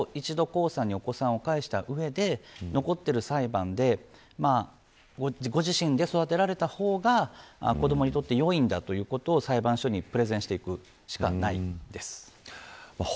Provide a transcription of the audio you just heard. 結論から申し上げると一度、江さんにお子さんを返した上で残っている裁判で自分で育てた方が子どもにとっていいんだということを裁判長にプレゼンしていくしかないです。